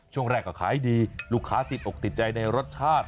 ช่วงแรกก็ขายดีลูกค้าติดอกติดใจในรสชาติ